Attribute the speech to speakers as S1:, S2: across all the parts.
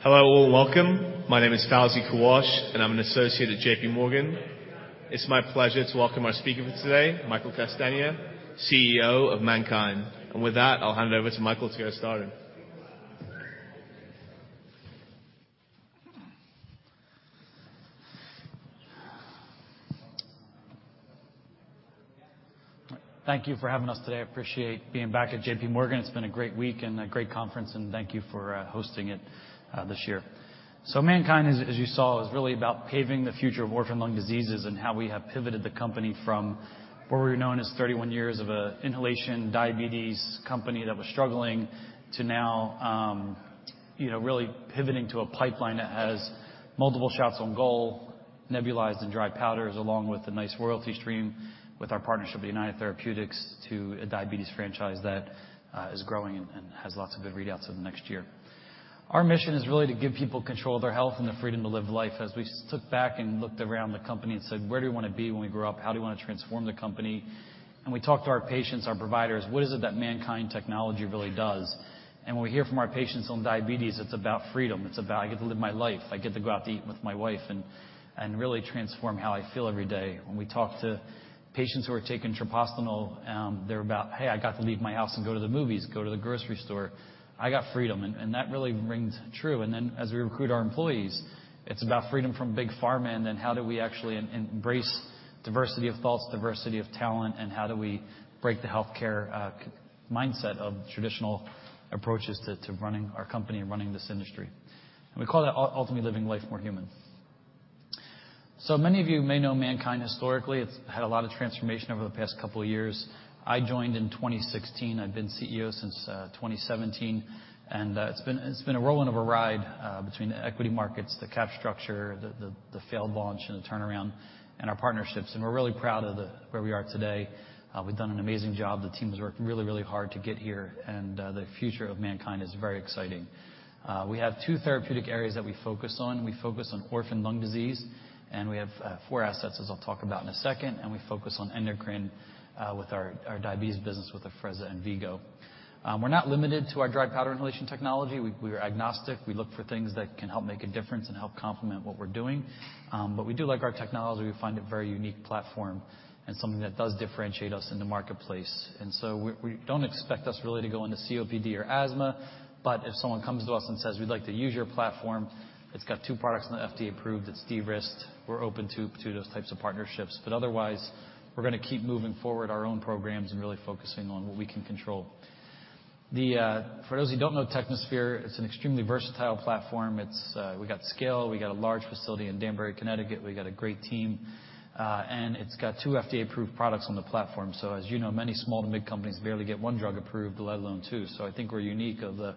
S1: Hello, all. Welcome. My name is Edwin Zhang, I'm an associate at JPMorgan. It's my pleasure to welcome our speaker for today, Michael Castagna, CEO of MannKind. With that, I'll hand it over to Michael to get us started.
S2: Thank you for having us today. I appreciate being back at JPMorgan. It's been a great week and a great conference, and thank you for hosting it this year. MannKind, as you saw, is really about paving the future of orphan lung diseases and how we have pivoted the company from what we were known as 31 years of a inhalation diabetes company that was struggling to now, you know, really pivoting to a pipeline that has multiple shots on goal, nebulized and dry powders, along with a nice royalty stream with our partnership with United Therapeutics to a diabetes franchise that is growing and has lots of good readouts over the next year. Our mission is really to give people control of their health and the freedom to live life. As we took back and looked around the company and said, "Where do you wanna be when we grow up? How do you wanna transform the company?" We talked to our patients, our providers, what is it that MannKind technology really does? When we hear from our patients on diabetes, it's about freedom. It's about, I get to live my life. I get to go out to eat with my wife and really transform how I feel every day. When we talk to patients who are taking Treprostinil, they're about, "Hey, I got to leave my house and go to the movies, go to the grocery store. I got freedom." That really rings true. As we recruit our employees, it's about freedom from big pharma, how do we actually embrace diversity of thoughts, diversity of talent, and how do we break the healthcare mindset of traditional approaches to running our company and running this industry. We call that ultimately living life more human. Many of you may know MannKind historically. It's had a lot of transformation over the past couple of years. I joined in 2016. I've been CEO since 2017, it's been a whirlwind of a ride between the equity markets, the cap structure, the failed launch and the turnaround and our partnerships, we're really proud of where we are today. We've done an amazing job. The team's worked really, really hard to get here, and the future of MannKind is very exciting. We have two therapeutic areas that we focus on. We focus on orphan lung disease, and we have four assets, as I'll talk about in a second, and we focus on endocrine with our diabetes business with Afrezza and V-Go. We're not limited to our dry powder inhalation technology. We are agnostic. We look for things that can help make a difference and help complement what we're doing. We do like our technology. We find it a very unique platform and something that does differentiate us in the marketplace. We don't expect us really to go into COPD or asthma, but if someone comes to us and says, "We'd like to use your platform," it's got two products that are FDA approved, it's de-risked, we're open to those types of partnerships. Otherwise, we're gonna keep moving forward our own programs and really focusing on what we can control. For those who don't know Technosphere, it's an extremely versatile platform. It's, we got scale, we got a large facility in Danbury, Connecticut. We got a great team, and it's got two FDA-approved products on the platform. As you know, many small to mid companies barely get one drug approved, let alone two. I think we're unique of the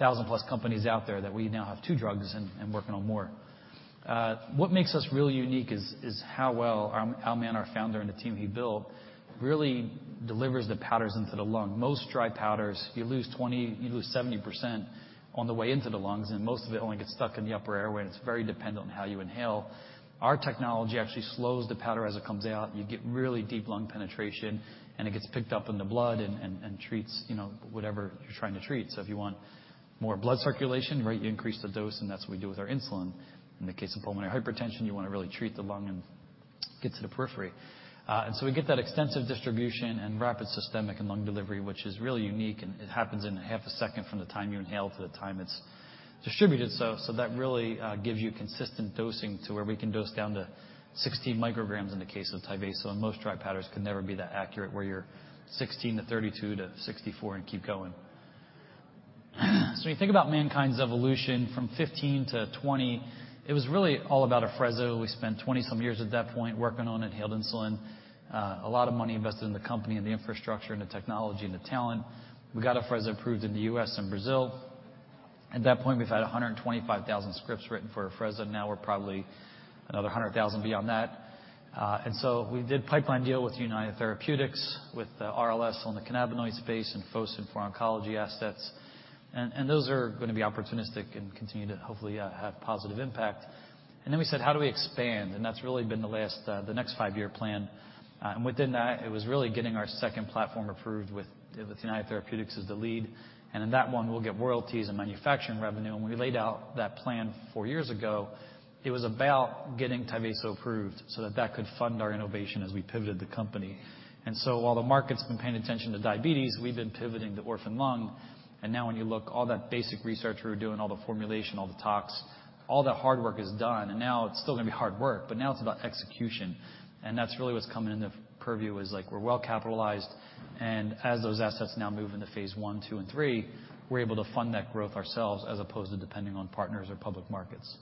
S2: 1,000+ companies out there that we now have two drugs and working on more. What makes us really unique is how well our Mann, our Founder, and the team he built really delivers the powders into the lung. Most dry powders, you lose 70% on the way into the lungs, and most of it only gets stuck in the upper airway, and it's very dependent on how you inhale. Our technology actually slows the powder as it comes out, and you get really deep lung penetration, and it gets picked up in the blood and treats, you know, whatever you're trying to treat. If you want more blood circulation, right, you increase the dose, and that's what we do with our insulin. In the case of pulmonary hypertension, you wanna really treat the lung and get to the periphery. We get that extensive distribution and rapid systemic and lung delivery, which is really unique, and it happens in half a second from the time you inhale to the time it's distributed. That really gives you consistent dosing to where we can dose down to 16 micrograms in the case of Tyvaso, and most dry powders can never be that accurate, where you're 16 to 32 to 64 and keep going. When you think about MannKind's evolution from 15 to 20, it was really all about Afrezza. We spent 20-some years at that point working on inhaled insulin. A lot of money invested in the company and the infrastructure and the technology and the talent. We got Afrezza approved in the U.S. and Brazil. At that point, we've had 125,000 scripts written for Afrezza. Now, we're probably another 100,000 beyond that. we did pipeline deal with United Therapeutics, with the RLS on the cannabinoid space and Phosyn for oncology assets. those are gonna be opportunistic and continue to hopefully have positive impact. Then we said, "How do we expand?" That's really been the last, the next five-year plan. Within that, it was really getting our second platform approved with United Therapeutics as the lead. In that one, we'll get royalties and manufacturing revenue. When we laid out that plan four years ago, it was about getting Tyvaso approved so that that could fund our innovation as we pivoted the company. While the market's been paying attention to diabetes, we've been pivoting to orphan lung. Now, when you look, all that basic research we were doing, all the formulation, all the tox, all that hard work is done. Now, it's still gonna be hard work, but now it's about execution. That's really what's coming into purview is, like, we're well-capitalized, and as those assets now move into phase one, two, and three, we're able to fund that growth ourselves as opposed to depending on partners or public markets.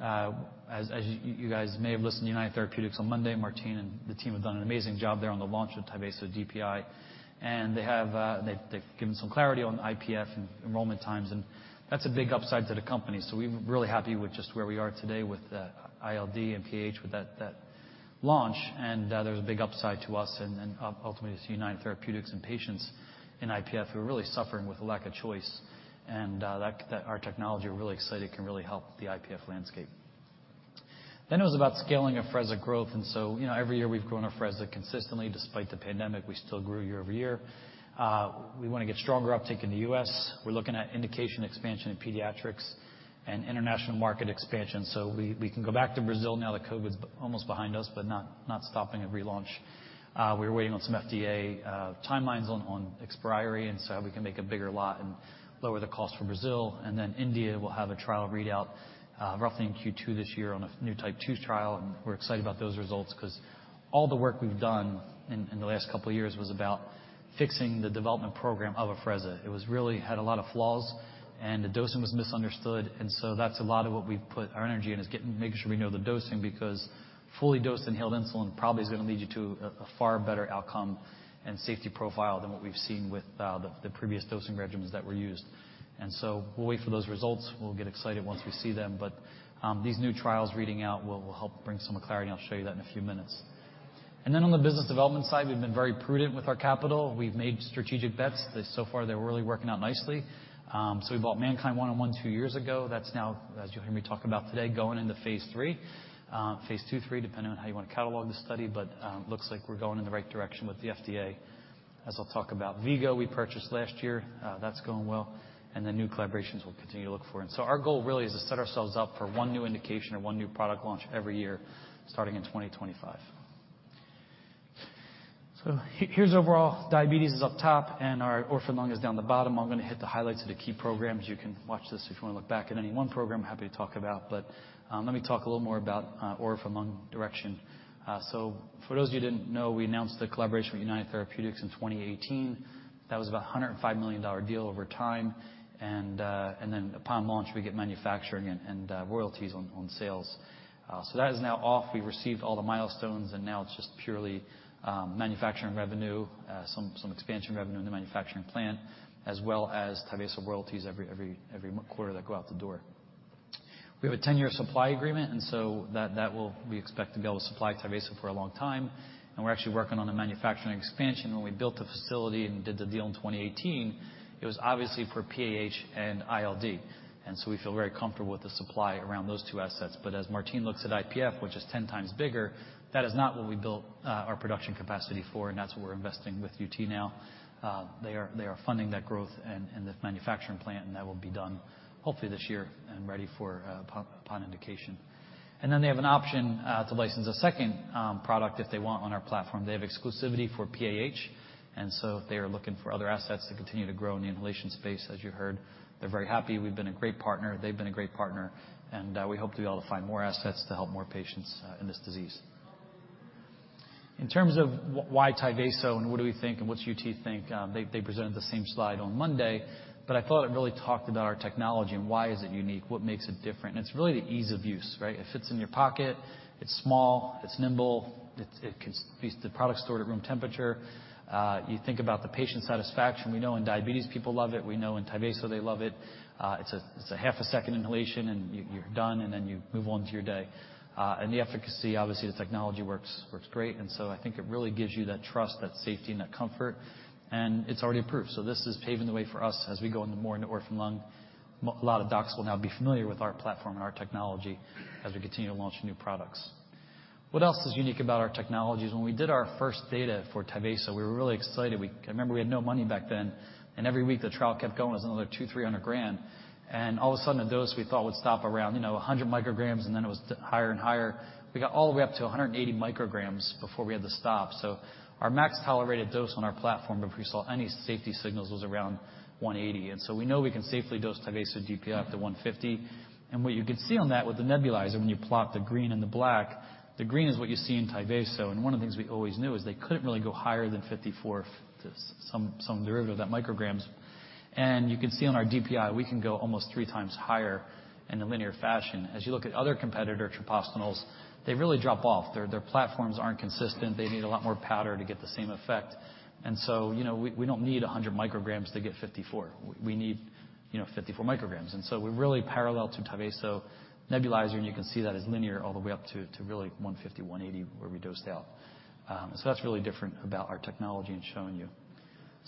S2: As you guys may have listened to United Therapeutics on Monday, Martine and the team have done an amazing job there on the launch of Tyvaso DPI. They've given some clarity on IPF and enrollment times, and that's a big upside to the company. We're really happy with just where we are today with ILD and PH with that launch. There's a big upside to us and ultimately to United Therapeutics and patients in IPF who are really suffering with a lack of choice. That our technology, we're really excited, can really help the IPF landscape. It was about scaling Afrezza growth. You know, every year we've grown Afrezza consistently despite the pandemic, we still grew year-over-year. We wanna get stronger uptake in the U.S. We're looking at indication expansion in pediatrics and international market expansion. We can go back to Brazil now that COVID's almost behind us, but stopping a relaunch. We're waiting on some FDA timelines on expiry. We can make a bigger lot and lower the cost for Brazil. India will have a trial readout roughly in Q2 this year on a new Type 2 trial. We're excited about those results 'cause all the work we've done in the last couple of years was about fixing the development program of Afrezza. It had a lot of flaws, and the dosing was misunderstood. That's a lot of what we've put our energy in, is making sure we know the dosing because fully dosed inhaled insulin probably is gonna lead you to a far better outcome and safety profile than what we've seen with the previous dosing regimens that were used. We'll wait for those results. We'll get excited once we see them. These new trials reading out will help bring some clarity, and I'll show you that in a few minutes. On the business development side, we've been very prudent with our capital. We've made strategic bets that so far they're really working out nicely. We bought MNKD-101 two years ago. That's now, as you'll hear me talk about today, going into phase III, phase II, III, depending on how you wanna catalog the study. Looks like we're going in the right direction with the FDA, as I'll talk about. V-Go we purchased last year, that's going well. The new collaborations we'll continue to look for. Our goal really is to set ourselves up for one new indication or one new product launch every year, starting in 2025. Here's overall, diabetes is up top and our orphan lung is down the bottom. I'm gonna hit the highlights of the key programs. You can watch this if you wanna look back at any one program, happy to talk about. Let me talk a little more about orphan lung direction. For those of you who didn't know, we announced the collaboration with United Therapeutics in 2018. That was about a $105 million deal over time. Upon launch, we get manufacturing and royalties on sales. That is now off. We've received all the milestones, now it's just purely manufacturing revenue, some expansion revenue in the manufacturing plant, as well as Tyvaso royalties every quarter that go out the door. We have a 10-year supply agreement, we expect to be able to supply Tyvaso for a long time. We're actually working on a manufacturing expansion. When we built the facility and did the deal in 2018, it was obviously for PAH and ILD. We feel very comfortable with the supply around those two assets. As Martine looks at IPF, which is 10x bigger, that is not what we built our production capacity for. That's what we're investing with UT now. They are funding that growth and the manufacturing plant. That will be done hopefully this year and ready for upon indication. They have an option to license a second product if they want on our platform. They have exclusivity for PAH. They are looking for other assets to continue to grow in the inhalation space, as you heard. They're very happy. We've been a great partner. They've been a great partner, we hope to be able to find more assets to help more patients in this disease. In terms of why Tyvaso, and what do we think and what's UT think, they presented the same slide on Monday, but I thought it really talked about our technology and why is it unique, what makes it different. It's really the ease of use, right? It fits in your pocket. It's small. It's nimble. At least the product's stored at room temperature. You think about the patient satisfaction. We know in diabetes, people love it. We know in Tyvaso, they love it. It's a, it's a half a second inhalation and you're done, and then you move on to your day. The efficacy, obviously, the technology works great. I think it really gives you that trust, that safety, and that comfort, and it's already approved. This is paving the way for us as we go into more into orphan lung. A lot of docs will now be familiar with our platform and our technology as we continue to launch new products. What else is unique about our technologies? When we did our first data for Tyvaso, we were really excited. I remember we had no money back then, and every week the trial kept going, it was another $200-$300 grand. All of a sudden, a dose we thought would stop around, you know, 100 micrograms, and then it was higher and higher. We got all the way up to 180 micrograms before we had to stop. Our max tolerated dose on our platform before we saw any safety signals was around 180. We know we can safely dose Tyvaso DPI up to 150. What you can see on that with the nebulizer, when you plot the green and the black, the green is what you see in Tyvaso. One of the things we always knew is they couldn't really go higher than 54 some derivative of that micrograms. You can see on our DPI, we can go almost 3x higher in a linear fashion. As you look at other competitor troponins, they really drop off. Their platforms aren't consistent. They need a lot more powder to get the same effect. You know, we don't need 100 micrograms to get 54. We need, you know, 54 micrograms. We're really parallel to Tyvaso nebulizer, and you can see that as linear all the way up to really 150, 180 where we dosed out. That's really different about our technology and showing you.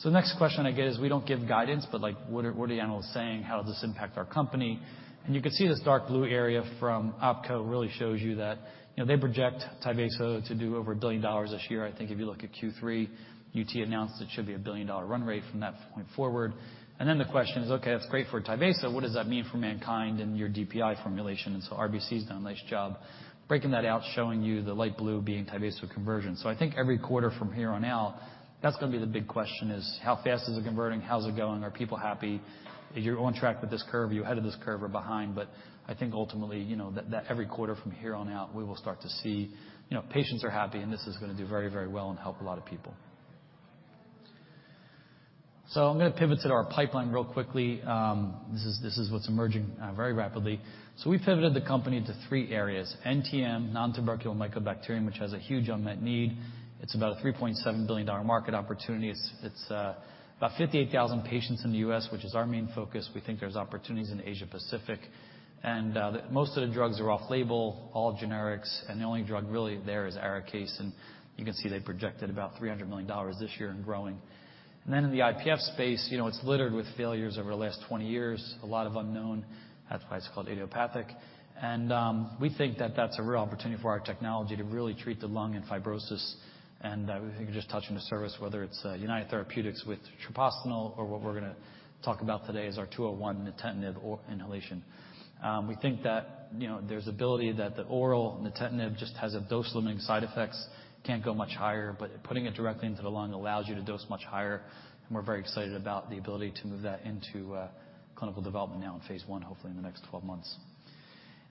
S2: The next question I get is, we don't give guidance, but like, what are the analysts saying? How does this impact our company? You can see this dark blue area from OpCo really shows you that, you know, they project Tyvaso to do over $1 billion this year. I think if you look at Q3, UT announced it should be a billion-dollar run rate from that point forward. The question is, okay, that's great for Tyvaso. What does that mean for MannKind and your DPI formulation? RBC's done a nice job breaking that out, showing you the light blue being Tyvaso conversion. I think every quarter from here on out, that's gonna be the big question, is how fast is it converting? How's it going? Are people happy? Are you on track with this curve? Are you ahead of this curve or behind? I think ultimately, you know, that every quarter from here on out, we will start to see, you know, patients are happy, and this is gonna do very, very well and help a lot of people. I'm gonna pivot to our pipeline real quickly. This is what's emerging very rapidly. We pivoted the company into three areas: NTM, nontuberculous mycobacterium, which has a huge unmet need. It's about a $3.7 billion market opportunity. It's about 58,000 patients in the U.S., which is our main focus. We think there's opportunities in Asia-Pacific, most of the drugs are off-label, all generics, and the only drug really there is Arikayce. You can see they projected about $300 million this year and growing. In the IPF space, you know, it's littered with failures over the last 20 years, a lot of unknown. That's why it's called idiopathic. We think that that's a real opportunity for our technology to really treat the lung and fibrosis, we think you're just touching the surface, whether it's United Therapeutics with treprostinil or what we're gonna talk about today is our 201 nintedanib or inhalation. We think that, you know, there's ability that the oral nintedanib just has a dose-limiting side effects, can't go much higher, but putting it directly into the lung allows you to dose much higher. We're very excited about the ability to move that into clinical development now in phase I, hopefully in the next 12 months.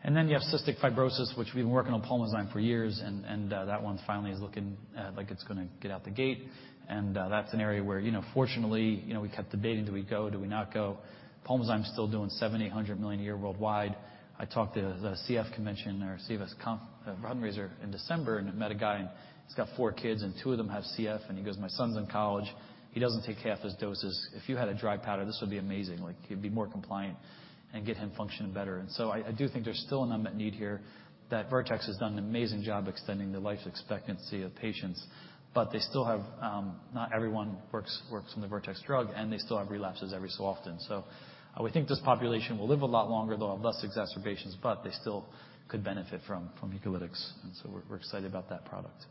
S2: You have cystic fibrosis, which we've been working on Pulmozyme for years, and that one finally is looking like it's gonna get out the gate. That's an area where, you know, fortunately, you know, we kept debating, do we go, do we not go? Pulmozyme is still doing $70 million-$100 million a year worldwide. I talked to the CF convention or fundraiser in December and met a guy, and he's got four kids, and two of them have CF, and he goes, "My son's in college. He doesn't take half his doses. If you had a dry powder, this would be amazing. Like, he'd be more compliant and get him functioning better." I do think there's still an unmet need here, that Vertex has done an amazing job extending the life expectancy of patients. They still have not everyone works on the Vertex drug, and they still have relapses every so often. We think this population will live a lot longer. They'll have less exacerbations, but they still could benefit from mucolytics. We're excited about that product.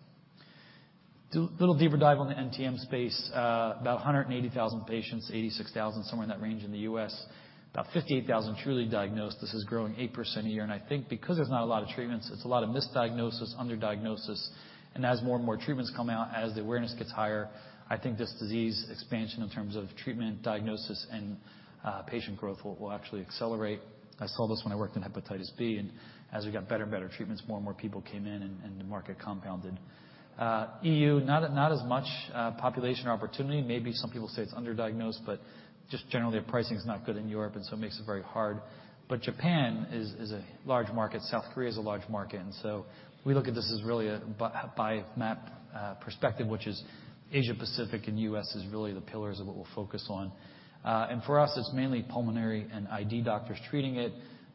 S2: Little deeper dive on the NTM space, about 180,000 patients, 86,000, somewhere in that range in the U.S., about 58,000 truly diagnosed. This is growing 8% a year. I think because there's not a lot of treatments, it's a lot of misdiagnosis, underdiagnosis. As more and more treatments come out, as the awareness gets higher, I think this disease expansion in terms of treatment, diagnosis, and patient growth will actually accelerate. I saw this when I worked in hepatitis B, as we got better and better treatments, more and more people came in and the market compounded. EU, not as much population opportunity. Maybe some people say it's underdiagnosed, just generally the pricing is not good in Europe, it makes it very hard. Japan is a large market. South Korea is a large market. We look at this as really a bi-MAP perspective, which is Asia-Pacific and U.S. is really the pillars of what we'll focus on. For us, it's mainly pulmonary and ID doctors treating it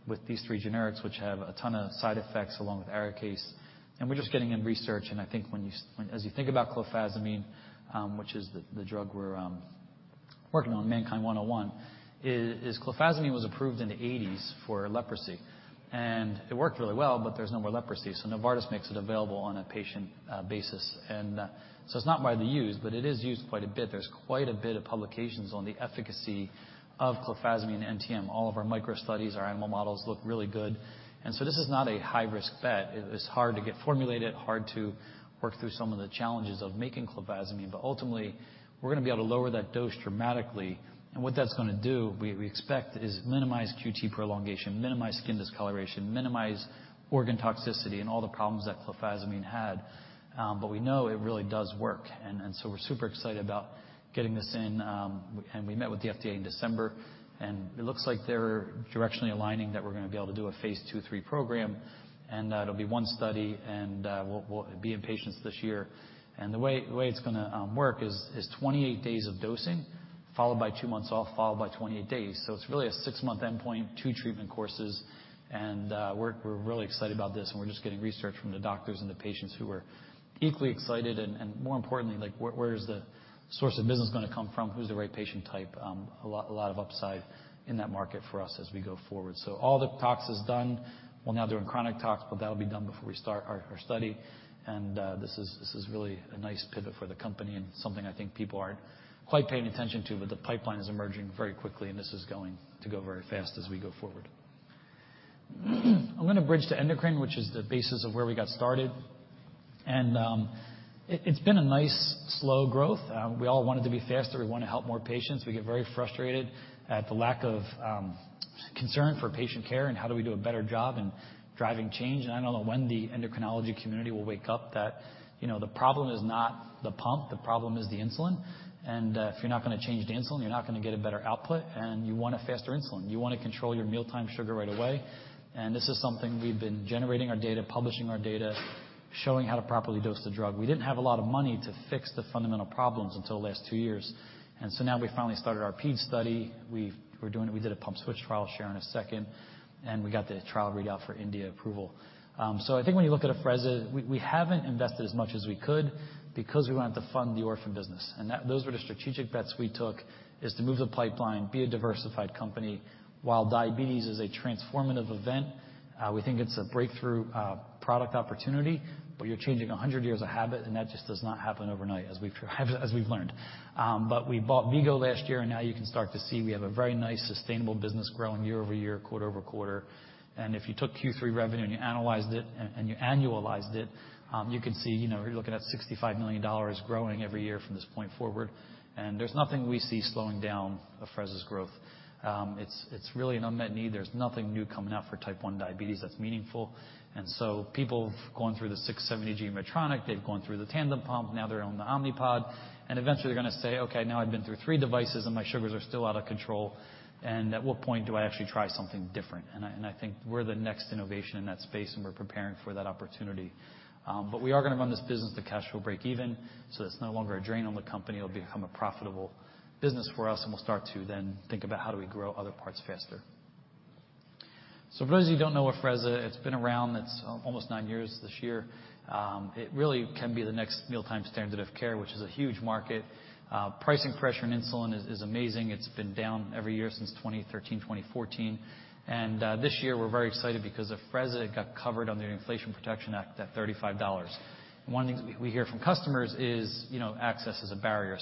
S2: with these three generics, which have a ton of side effects along with Arikayce. We're just getting in research, and I think as you think about clofazimine, which is the drug we're working on, MNKD-101, is clofazimine was approved in the 1980s for leprosy, and it worked really well, but there's no more leprosy, Novartis makes it available on a patient basis. It's not widely used, but it is used quite a bit. There's quite a bit of publications on the efficacy of clofazimine NTM. All of our micro studies, our animal models look really good. This is not a high-risk bet. It is hard to get formulated, hard to work through some of the challenges of making clofazimine. Ultimately, we're gonna be able to lower that dose dramatically. What that's gonna do, we expect, is minimize QT prolongation, minimize skin discoloration, minimize organ toxicity, and all the problems that clofazimine had. But we know it really does work. So we're super excited about getting this in. We met with the FDA in December, and it looks like they're directionally aligning that we're gonna be able to do a phase II, III program, and it'll be one study, and we'll be in patients this year. The way it's gonna work is 28 days of dosing, followed by two months off, followed by 28 days. It's really a six-month endpoint, two treatment courses, and we're really excited about this, and we're just getting research from the doctors and the patients who are equally excited. More importantly, like, where is the source of business gonna come from? Who's the right patient type? A lot of upside in that market for us as we go forward. All the tox is done. We're now doing chronic tox, but that'll be done before we start our study. This is really a nice pivot for the company and something I think people aren't quite paying attention to, but the pipeline is emerging very quickly, and this is going to go very fast as we go forward. I'm gonna bridge to endocrine, which is the basis of where we got started. It's been a nice slow growth. We all want it to be faster. We wanna help more patients. We get very frustrated at the lack of concern for patient care and how do we do a better job in driving change. I don't know when the endocrinology community will wake up that, you know, the problem is not the pump, the problem is the insulin. If you're not gonna change the insulin, you're not gonna get a better output, and you want a faster insulin. You wanna control your mealtime sugar right away. This is something we've been generating our data, publishing our data, showing how to properly dose the drug. We didn't have a lot of money to fix the fundamental problems until the last two years. Now, we finally started our ped study. We did a pump switch trial, share in a second, and we got the trial readout for India approval. I think when you look at Afrezza, we haven't invested as much as we could because we wanted to fund the orphan business. Those were the strategic bets we took, is to move the pipeline, be a diversified company. While diabetes is a transformative event, we think it's a breakthrough product opportunity, you're changing 100 years of habit, that just does not happen overnight, as we've learned. We bought V-Go last year, now you can start to see we have a very nice, sustainable business growing year-over-year, quarter-over-quarter. If you took Q3 revenue, and you analyzed it, and you annualized it, you can see, you know, you're looking at $65 million growing every year from this point forward. There's nothing we see slowing down Afrezza's growth. It's, it's really an unmet need. There's nothing new coming out for Type 1 diabetes that's meaningful. People have gone through the MiniMed 670G Medtronic, they've gone through the Tandem pump, now they're on the Omnipod, and eventually they're gonna say, "Okay, now I've been through three devices and my sugars are still out of control, and at what point do I actually try something different?" I think we're the next innovation in that space, we're preparing for that opportunity. We are gonna run this business till cash flow break even, so it's no longer a drain on the company. It'll become a profitable business for us, we'll start to then think about how do we grow other parts faster. For those of you who don't know Afrezza, it's been around, it's almost nine years this year. It really can be the next mealtime standard of care, which is a huge market. Pricing pressure and insulin is amazing. It's been down every year since 2013, 2014. This year we're very excited because Afrezza got covered under the Inflation Reduction Act at $35. One of the things we hear from customers is, you know, access is a barrier.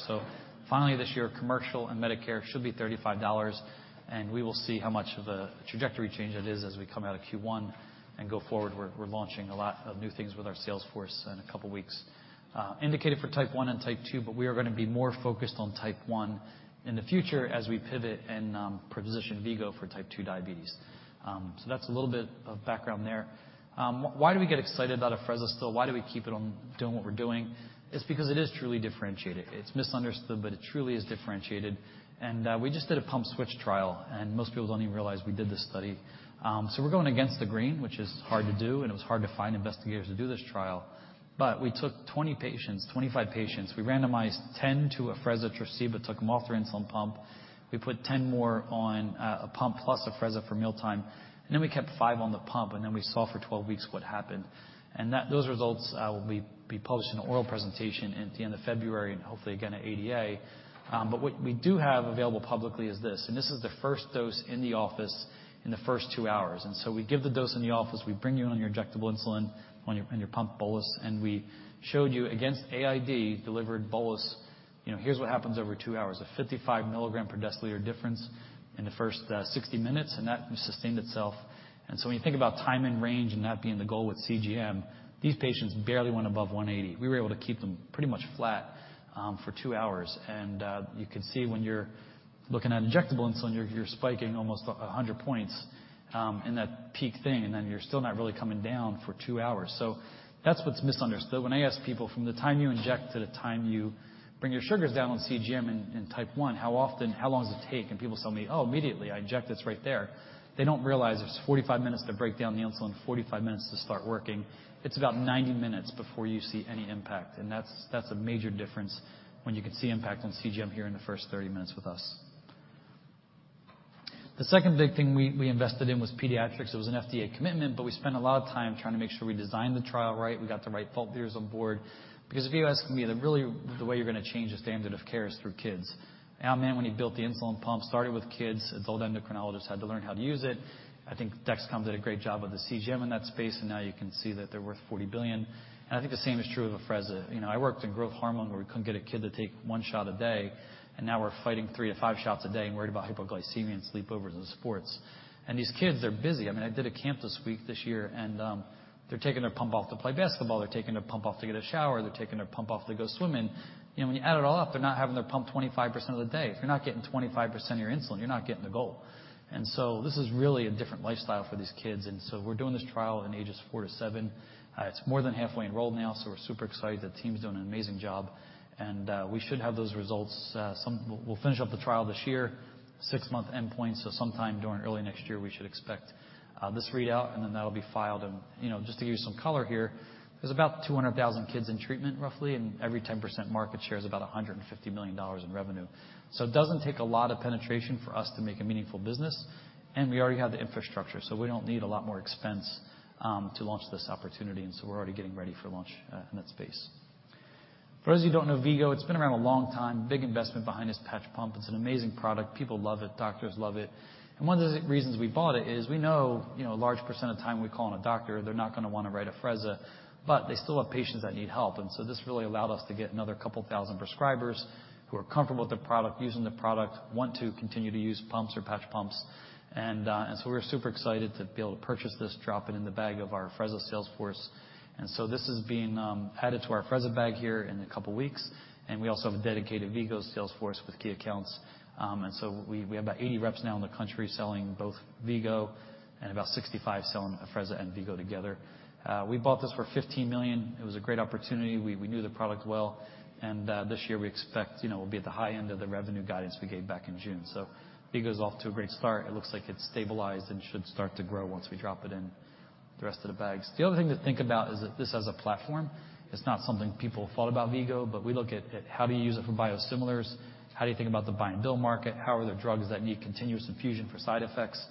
S2: Finally, this year, commercial and Medicare should be $35, and we will see how much of a trajectory change that is as we come out of Q1 and go forward. We're launching a lot of new things with our sales force in a couple of weeks. Indicated for Type 1 and Type 2, we are gonna be more focused on Type 1 in the future as we pivot and position V-Go for Type 2 diabetes. That's a little bit of background there. Why do we get excited about Afrezza still? Why do we keep it on doing what we're doing? It's because it is truly differentiated. It's misunderstood, but it truly is differentiated. We just did a pump switch trial, and most people don't even realize we did this study. So we're going against the grain, which is hard to do, and it was hard to find investigators to do this trial. We took 20 patients, 25 patients. We randomized 10 to Afrezza placebo, took them off their insulin pump. We put 10 more on a pump plus Afrezza for mealtime, and then we kept five on the pump, and then we saw for 12 weeks what happened. Those results will be posted in an oral presentation at the end of February and hopefully again at ADA. What we do have available publicly is this, and this is the first dose in the office in the first two hours. We give the dose in the office. We bring you on your injectable insulin, on your, on your pump bolus, and we showed you against AID-delivered bolus. You know, here's what happens over two hours. A 55 milligram per deciliter difference in the first 60 minutes, and that sustained itself. When you think about time and range and that being the goal with CGM, these patients barely went above 180. We were able to keep them pretty much flat for two hours. You could see when you're looking at injectable insulin, you're spiking almost 100 points in that peak thing, and then you're still not really coming down for two hours. That's what's misunderstood. When I ask people from the time you inject to the time you bring your sugars down on CGM in Type 1, how often, how long does it take? People tell me, "Oh, immediately. I inject, it's right there." They don't realize it's 45 minutes to break down the insulin, 45 minutes to start working. It's about 90 minutes before you see any impact. That's a major difference when you can see impact on CGM here in the first 30 minutes with us. The second big thing we invested in was pediatrics. It was an FDA commitment, but we spent a lot of time trying to make sure we designed the trial right. We got the right thought leaders on board. If you ask me, the way you're gonna change the standard of care is through kids. Al Mann, when he built the insulin pump, started with kids. Adult endocrinologists had to learn how to use it. I think Dexcom did a great job with the CGM in that space, and now you can see that they're worth $40 billion. I think the same is true of Afrezza. You know, I worked in growth hormone where we couldn't get a kid to take one shot a day, and now we're fighting three to five shots a day and worried about hypoglycemia and sleepovers and sports. These kids, they're busy. I mean, I did a camp this week, this year, and they're taking their pump off to play basketball. They're taking their pump off to get a shower. They're taking their pump off to go swimming. You know, when you add it all up, they're not having their pump 25% of the day. If you're not getting 25% of your insulin, you're not getting the goal. This is really a different lifestyle for these kids. We're doing this trial in ages four to seven. It's more than halfway enrolled now, so we're super excited. The team's doing an amazing job. We should have those results. We'll finish up the trial this year. six-month endpoint, so sometime during early next year, we should expect this readout, and then that'll be filed. You know, just to give you some color here, there's about 200,000 kids in treatment, roughly, and every 10% market share is about $150 million in revenue. It doesn't take a lot of penetration for us to make a meaningful business. We already have the infrastructure, so we don't need a lot more expense to launch this opportunity. So we're already getting ready for launch in that space. For those of you who don't know V-Go, it's been around a long time. Big investment behind this patch pump. It's an amazing product. People love it. Doctors love it. One of the reasons we bought it is we know, you know, a large percent of the time we call on a doctor, they're not gonna wanna write Afrezza, but they still have patients that need help. So this really allowed us to get another 2,000 prescribers who are comfortable with the product, using the product, want to continue to use pumps or patch pumps. We're super excited to be able to purchase this, drop it in the bag of our Afrezza sales force. This is being added to our Afrezza bag here in a couple weeks. We also have a dedicated V-Go sales force with key accounts. We have about 80 reps now in the country selling both V-Go and about 65 selling Afrezza and V-Go together. We bought this for $15 million. It was a great opportunity. We, we knew the product well. This year we expect, you know, we'll be at the high end of the revenue guidance we gave back in June. V-Go's off to a great start. It looks like it's stabilized and should start to grow once we drop it in the rest of the bags. The other thing to think about is this as a platform. It's not something people thought about V-Go, but we look at how do you use it for biosimilars? How do you think about the buy and bill market? How are there drugs that need continuous infusion for side effects?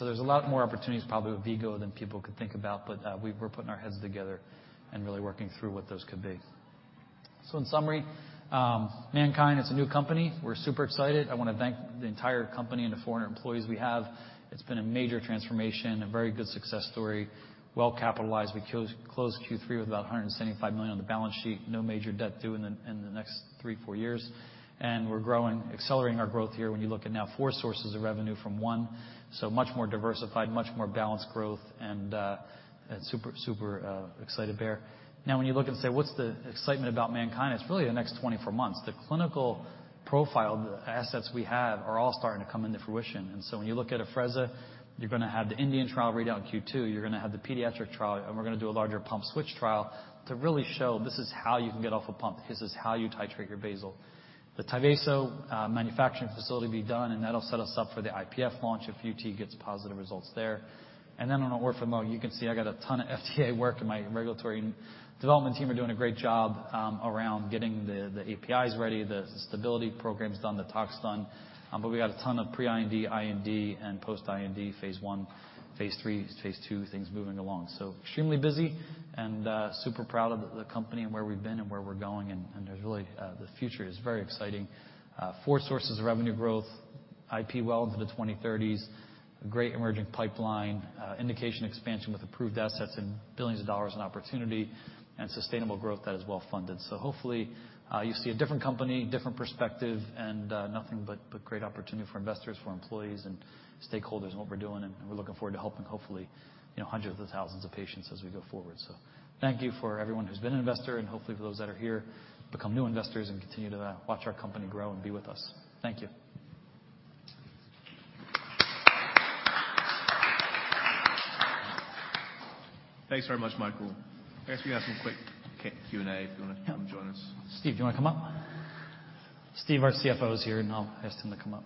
S2: There's a lot more opportunities probably with V-Go than people could think about, but we're putting our heads together and really working through what those could be. In summary, MannKind, it's a new company. We're super excited. I wanna thank the entire company and the 400 employees we have. It's been a major transformation, a very good success story, well-capitalized. We closed Q3 with about $175 million on the balance sheet. No major debt due in the next three, four years. We're growing, accelerating our growth here when you look at now four sources of revenue from one. Much more diversified, much more balanced growth, and super excited there. When you look and say, "What's the excitement about MannKind?" It's really the next 24 months. The clinical profile, the assets we have are all starting to come into fruition. When you look at Afrezza, you're gonna have the Indian trial read out in Q2. You're gonna have the pediatric trial, and we're gonna do a larger pump switch trial to really show this is how you can get off a pump. This is how you titrate your basal. The Tyvaso manufacturing facility will be done, and that'll set us up for the IPF launch if UT gets positive results there. On orphan lung, you can see I got a ton of FDA work, and my regulatory development team are doing a great job around getting the APIs ready, the stability programs done, the tox done. We got a ton of pre-IND, IND, and post-IND phase I, phase IIIs, phase II things moving along. Extremely busy and super proud of the company and where we've been and where we're going. There's really. The future is very exciting. Four sources of revenue growth, IP well into the 2030s, a great emerging pipeline, indication expansion with approved assets and billions of dollars in opportunity and sustainable growth that is well-funded. Hopefully, you see a different company, different perspective, and nothing but great opportunity for investors, for employees and stakeholders in what we're doing, and we're looking forward to helping, hopefully, you know, hundreds of thousands of patients as we go forward. Thank you for everyone who's been an investor and hopefully for those that are here, become new investors and continue to watch our company grow and be with us. Thank you.
S1: Thanks very much, Michael. I guess, we have some quick Q&A if you wanna come join us.
S2: Steve, do you wanna come up? Steve, our CFO, is here. I'll ask him to come up.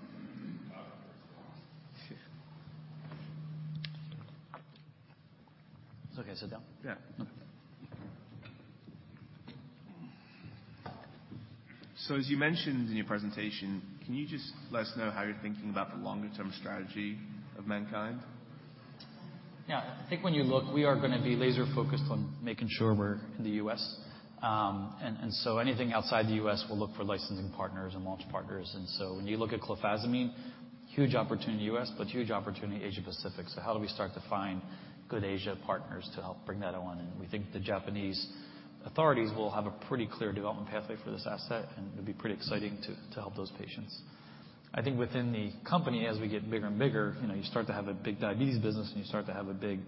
S2: It's okay. Sit down.
S1: Yeah. As you mentioned in your presentation, can you just let us know how you're thinking about the longer term strategy of MannKind?
S2: Yeah. I think when you look, we are gonna be laser-focused on making sure we're in the U.S. Anything outside the U.S., we'll look for licensing partners and launch partners. When you look at clofazimine, huge opportunity U.S., but huge opportunity Asia-Pacific. How do we start to find good Asia partners to help bring that on? We think the Japanese authorities will have a pretty clear development pathway for this asset, and it'll be pretty exciting to help those patients. I think within the company, as we get bigger and bigger, you know, you start to have a big diabetes business and you start to have a big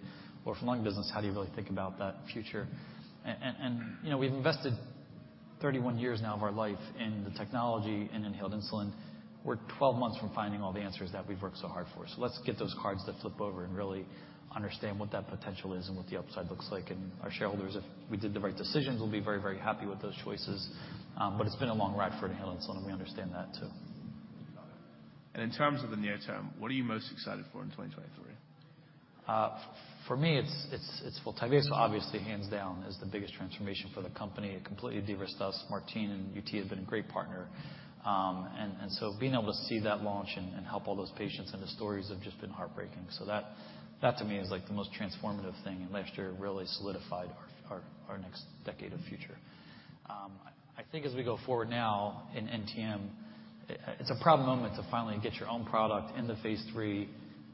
S2: orphan lung business, how do you really think about that future? You know, we've invested 31 years now of our life in the technology, in inhaled insulin. We're 12 months from finding all the answers that we've worked so hard for. Let's get those cards to flip over and really understand what that potential is and what the upside looks like. Our shareholders, if we did the right decisions, we'll be very, very happy with those choices. It's been a long ride for inhaled insulin. We understand that too.
S1: Got it. In terms of the near term, what are you most excited for in 2023?
S2: For me, it's full titrate. Obviously, hands down, is the biggest transformation for the company. It completely de-risked us. Martine and UT have been a great partner. Being able to see that launch and help all those patients, and the stories have just been heartbreaking. That to me is, like, the most transformative thing, and last year really solidified our next decade of future. I think as we go forward now in NTM, it's a proud moment to finally get your own product into phase III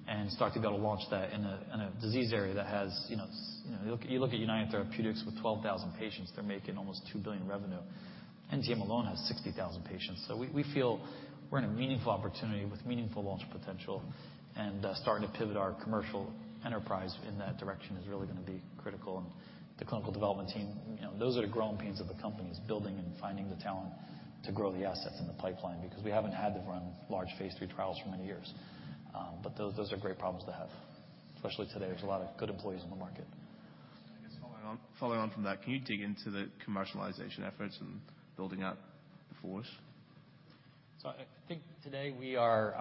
S2: and start to be able to launch that in a disease area that has, you know... You look at United Therapeutics with 12,000 patients, they're making almost $2 billion revenue. NTM alone has 60,000 patients. We feel we're in a meaningful opportunity with meaningful launch potential. Starting to pivot our commercial enterprise in that direction is really going to be critical. The clinical development team, you know, those are the growing pains of the company, is building and finding the talent to grow the assets in the pipeline, because we haven't had to run large phase III trials for many years. But those are great problems to have, especially today. There's a lot of good employees in the market.
S1: I guess following on from that, can you dig into the commercialization efforts and building out the force?
S2: I think today we are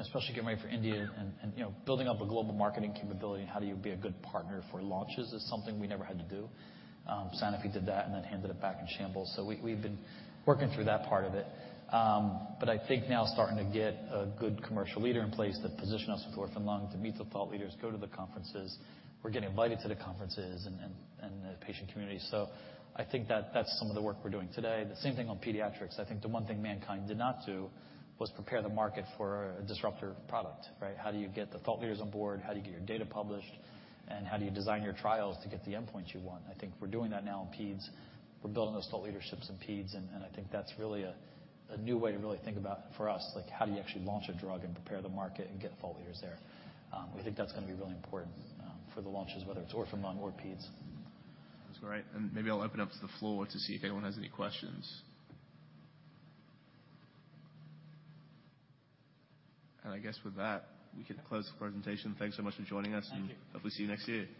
S2: especially getting ready for India and, you know, building up a global marketing capability, how do you be a good partner for launches is something we never had to do. Sanofi did that and then handed it back in shambles. We've been working through that part of it. I think now starting to get a good commercial leader in place that position us with orphan lung to meet the thought leaders, go to the conferences. We're getting invited to the conferences and the patient community. I think that's some of the work we're doing today. The same thing on pediatrics. I think the one thing MannKind did not do was prepare the market for a disruptor product, right? How do you get the thought leaders on board? How do you get your data published? How do you design your trials to get the endpoints you want? I think we're doing that now in peds. We're building those thought leaderships in peds, and I think that's really a new way to really think about for us, like, how do you actually launch a drug and prepare the market and get thought leaders there? We think that's gonna be really important for the launches, whether it's orphan lung or peds.
S1: That's great. Maybe I'll open up to the floor to see if anyone has any questions. I guess with that, we can close the presentation. Thanks so much for joining us.
S2: Thank you.
S1: Hopefully see you next year.
S2: All right.